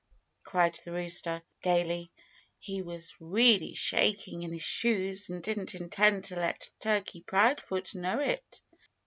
cried the rooster gayly. He was really shaking in his shoes and didn't intend to let Turkey Proudfoot know it.